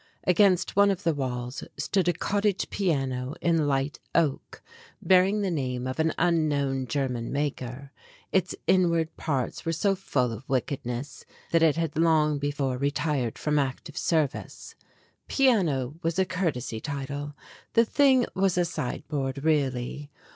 Against one of the walls stood a cottage piano in light oak, bearing the name of an unknown German maker; its inward parts were so full of wickedness that it had long be fore retired from active service. Piano was a cour tesy title the thing was a sideboard really.